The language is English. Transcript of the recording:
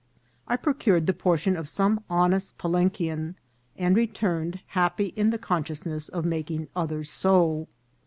I procured the portion of some hon est Palenquian, and returned, happy in the conscious ness of making others so.